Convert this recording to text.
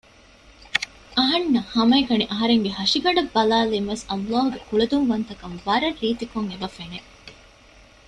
އަހަންނަށް ހަމައެކަނި އަހަރެންގެ ހަށިގަނޑަށް ބަލައިލީމާވެސް ﷲ ގެ ކުޅަދުންވަންތަކަން ވަރަށް ރީތިކޮށް އެބަ ފެނެ